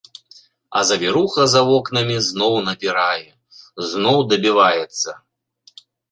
А завіруха за вокнамі зноў напірае, зноў дабіваецца.